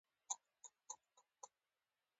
اقلیم د افغانستان د صادراتو برخه ده.